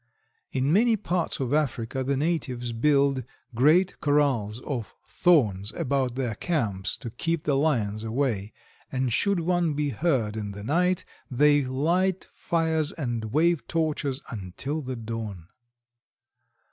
In many parts of Africa the natives build great corrals of thorns about their camps to keep the Lions away, and should one be heard in the night they light fires and wave torches until the dawn.